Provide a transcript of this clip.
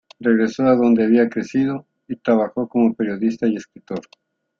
Regresó a donde había crecido y trabajó como periodista y escritor.